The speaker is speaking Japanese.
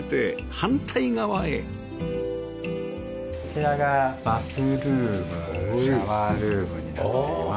こちらがバスルームシャワールームになっています。